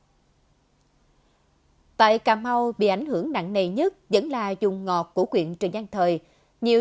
ở tại cà mau bị ảnh hưởng nặng nầy nhất vẫn là dùng ngọt của quyện trần văn thời nhiều